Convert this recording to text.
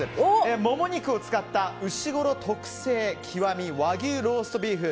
もも肉を使ったうしごろ特製“極”和牛ローストビーフ